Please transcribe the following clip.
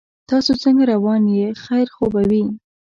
تاسو څنګه روان یې خیر خو به وي